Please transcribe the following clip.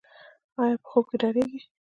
ایا په خوب کې ډاریږي؟